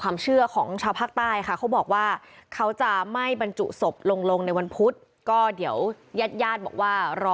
เลยเหลือหยาดว่ารอพระครูกรรมเล็งพรุ่งสวนหล่างเถอร์